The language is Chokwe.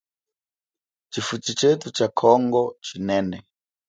Tshifuchi chethu cha kongo chinene.